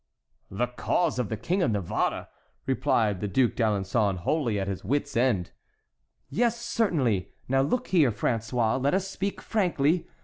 "The cause of the King of Navarre!" replied the Duc d'Alençon, wholly at his wits' end. "Yes, certainly. Now look here, François; let us speak frankly.